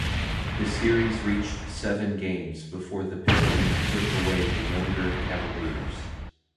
The series reached seven games before the Pistons put away the younger Cavaliers.